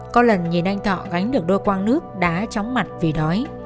có lần nhìn anh thọ gánh được đôi quang nước đá chóng mặt vì đói